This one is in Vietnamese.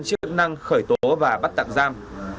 chức năng khởi tố và bắt tặng giam